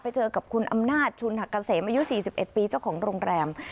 ไปเจอกับคุณอำนาจชุนหักเกษมอายุ๔๑ปีเจ้าของโรงแรม